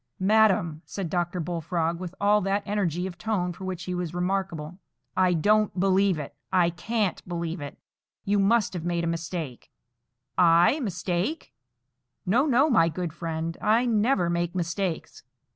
"Madam," said Dr. Bullfrog, with all that energy of tone for which he was remarkable, "I don't believe it,—I can't believe it. You must have made a mistake." "I mistake! No, no, my good friend; I never make mistakes.